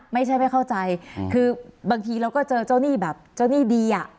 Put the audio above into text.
ไม่ใช่ไม่เข้าใจคือบางทีเราก็เจอเจ้าหนี้แบบเจ้าหนี้ดีอ่ะ